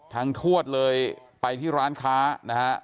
ทวดเลยไปที่ร้านค้านะฮะ